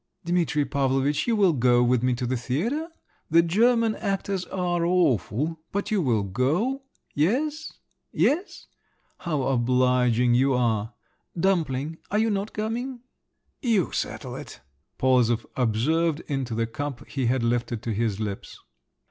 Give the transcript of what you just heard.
"Dimitri Pavlovitch, you will go with me to the theatre? the German actors are awful, but you will go … Yes? Yes? How obliging you are! Dumpling, are you not coming? "You settle it," Polozov observed into the cup he had lifted to his lips.